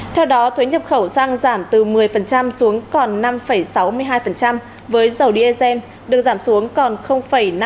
theo đó thuế nhập khẩu xăng giảm từ một mươi xuống còn năm sáu mươi hai với dầu diesel được giảm xuống còn năm mươi